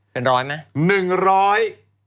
เป็นร้อยมั้ย